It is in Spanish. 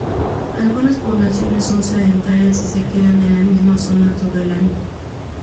Algunas poblaciones son sedentarias y se quedan en la misma zona todo el año.